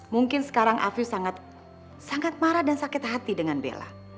mungkin sekarang afif sangat marah dan sakit hati dengan bella